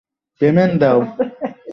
আজকে আমাদের সাথে নতুন এক কয়েদী যোগ দিয়েছে।